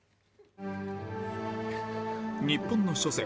日本の初戦。